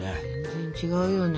全然違うよね。